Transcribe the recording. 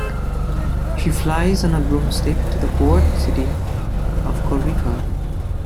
She flies on her broomstick to the port city of Koriko.